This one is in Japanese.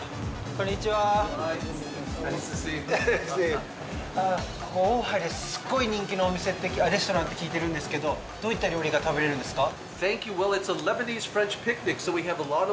ここ、オハイですごい人気のレストランって聞いてるんですけどどういった料理が食べれるんですか。